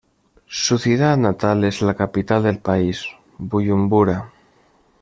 Su ciudad natal es la capital del país, Buyumbura.